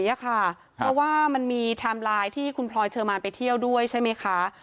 เพราะว่ามันมีไทม์ไลน์ที่คุณพลอยเชอร์มานไปเที่ยวด้วยใช่ไหมคะ